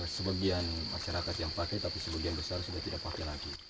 sebagian masyarakat yang pakai tapi sebagian besar sudah tidak pakai lagi